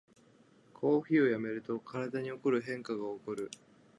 コーヒーをやめると体に起こる変化がおこる